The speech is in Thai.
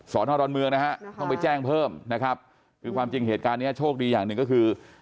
สอนอดอนเมืองนะฮะต้องไปแจ้งเพิ่มนะครับคือความจริงเหตุการณ์เนี้ยโชคดีอย่างหนึ่งก็คือ